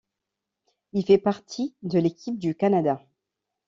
Il fait partie de l'équipe du Canada.